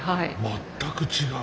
全く違う。